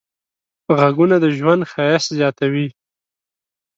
غږونه د ژوند ښایست زیاتوي.